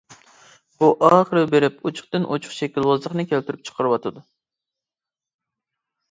بۇ ئاخىر بېرىپ ئوچۇقتىن ئوچۇق شەكىلۋازلىقنى كەلتۈرۈپ چىقىرىۋاتىدۇ.